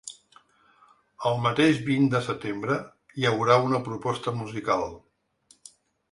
El mateix vint de setembre, hi haurà una proposta musical.